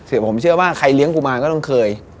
คือผมเชื่อว่าใครเลี้ยงกุมารก็ต้องเคย